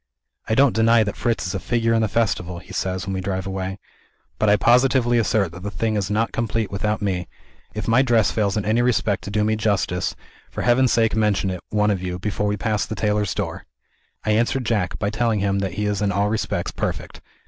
"I don't deny that Fritz is a figure in the festival," he says, when we drive away; "but I positively assert that the thing is not complete without Me. If my dress fails in any respect to do me justice, for Heaven's sake mention it, one of you, before we pass the tailor's door!" I answer Jack, by telling him that he is in all respects perfect.